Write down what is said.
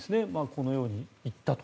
このように行ったと。